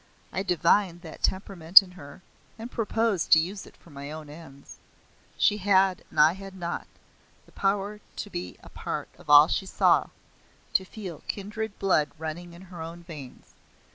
I divined that temperament in her and proposed to use it for my own ends. She had and I had not, the power to be a part of all she saw, to feel kindred blood running in her own veins.